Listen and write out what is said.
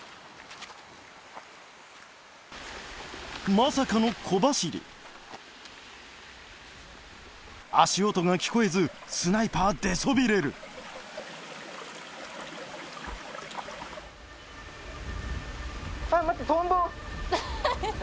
まさかの小走り足音が聞こえずスナイパー出そびれる待って。